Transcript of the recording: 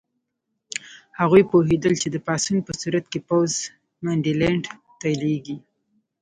هغوی پوهېدل چې د پاڅون په صورت کې پوځ منډلینډ ته لېږي.